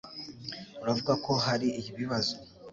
Uravuga ko hari ibibazo?